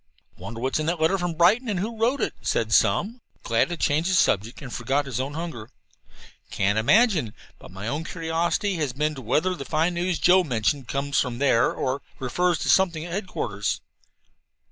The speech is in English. "Wonder what's in that letter from Brighton, and who wrote it?" said Sum, glad to change the subject and forget his own hunger. "Can't imagine, but my own curiosity has been as to whether the fine news Joe mentioned comes from there or refers to something at headquarters."